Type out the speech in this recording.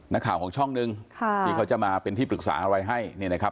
นักข่าวของช่องหนึ่งค่ะที่เขาจะมาเป็นที่ปรึกษาอะไรให้เนี่ยนะครับ